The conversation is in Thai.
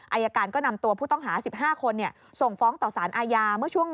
อายการก็นำตัวผู้ต้องหา๑๕คนส่งฟ้องต่อสารอาญา